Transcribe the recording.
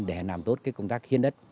để làm tốt công tác hiên đất